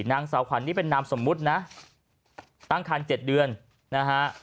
นางสาวขวัญนี่เป็นนามสมมุตินะตั้งคัน๗เดือนนะฮะ